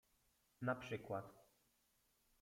Na przykład.